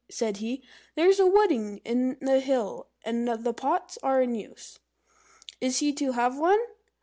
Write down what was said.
said he. "There's a wedding in the hill, and all the pots are in use." "Is he to have one?"